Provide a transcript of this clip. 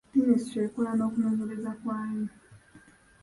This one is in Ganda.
Minisitule ekola n'okunoonyereza kwayo.